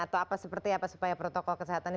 atau apa seperti apa supaya protokol kesehatan